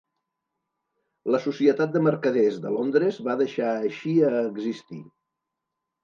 La Societat de Mercaders de Londres va deixar així a existir.